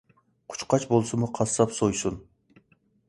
قۇشقاچ بولسىمۇ قاسساپ سويسۇن.